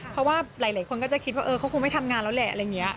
เพราะว่าหลายคนก็จะคิดว่าเขาคงไม่ทำงานแล้วแหละ